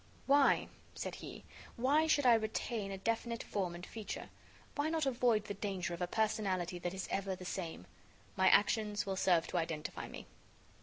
"Why," said he, "why should I retain a definite form and feature? Why not avoid the danger of a personality that is ever the same? My actions will serve to identify me."